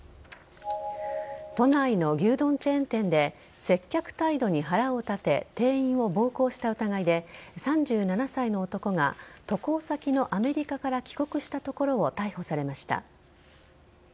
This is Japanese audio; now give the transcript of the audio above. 都内の牛丼チェーン店で接客態度に腹を立て店員を暴行した疑いで３７歳の男が渡航先のアメリカから帰国したところを逮捕されました。